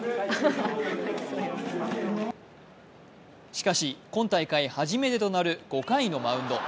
しかし、今大会初めてとなる５回のマウンド。